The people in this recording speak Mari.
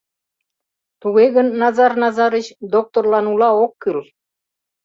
Туге гын, Назар Назарыч, докторлан ула ок кӱл.